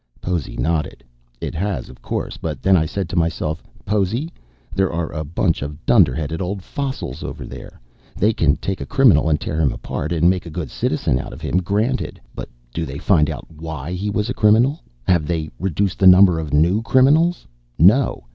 Possy nodded. "It has, of course. But then I said to myself, 'Possy, they are a bunch of dunderheaded old fossils over there. They can take a criminal and tear him apart and make a good citizen out of him, granted. But do they find out why he was a criminal? Have they reduced the number of new criminals? No.